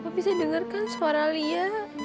papa bisa dengerkan suara lia